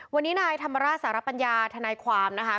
วันนี้นายธรรมราชสารปัญญาทนายความนะคะ